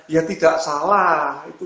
ya tidak salah